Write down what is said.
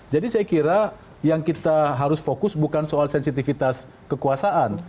jadi saya kira yang kita harus fokus bukan soal sensitifitas kekuasaan